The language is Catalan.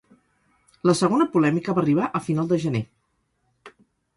La segona polèmica va arribar a final de gener.